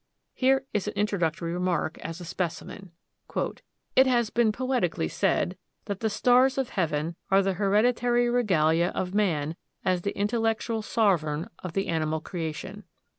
Here is an introductory remark, as a specimen: "It has been poetically said that the stars of heaven are the hereditary regalia of man as the intellectual sovereign of the animal creation.